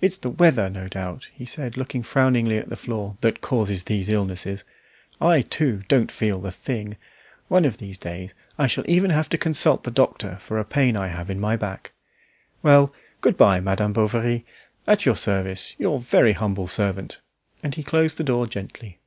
"It's the weather, no doubt," he said, looking frowningly at the floor, "that causes these illnesses. I, too, don't feel the thing. One of these days I shall even have to consult the doctor for a pain I have in my back. Well, good bye, Madame Bovary. At your service; your very humble servant." And he closed the door gently.